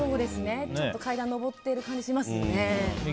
ちょっと階段上っている感じがしますね。